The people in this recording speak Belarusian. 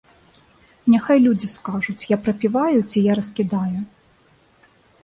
Няхай людзі скажуць, я прапіваю ці я раскідаю?